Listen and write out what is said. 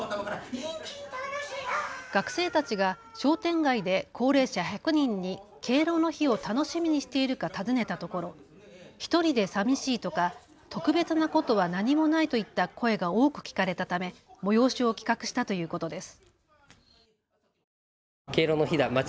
学生たちが商店街で高齢者１００人に敬老の日を楽しみにしているか尋ねたところ、ひとりでさみしいとか特別なことは何もないといった声が多く聞かれたため催しを企画したということです。